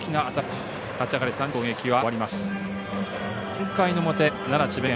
１回の表、奈良・智弁学園。